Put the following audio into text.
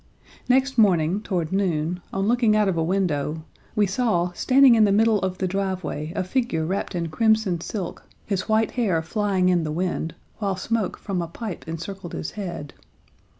Next morning, toward noon, on looking out of a window, we saw standing in the middle of the driveway a figure wrapped in crimson silk, his white hair flying in the wind, while smoke from a pipe encircled his head.